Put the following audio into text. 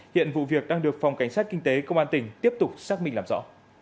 hiện vụ việc đang được phòng cảnh sát kinh tế công an tỉnh tiếp tục xác minh làm rõ